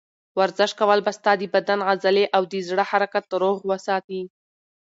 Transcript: ورزش کول به ستا د بدن عضلې او د زړه حرکت روغ وساتي.